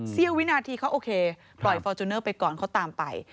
วินาทีเขาโอเคปล่อยฟอร์จูเนอร์ไปก่อนเขาตามไป